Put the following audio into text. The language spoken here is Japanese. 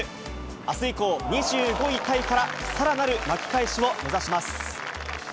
あす以降、２５位タイからさらなる巻き返しを目指します。